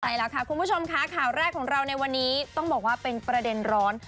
ใช่แล้วค่ะคุณผู้ชมค่ะข่าวแรกของเราในวันนี้ต้องบอกว่าเป็นประเด็นร้อน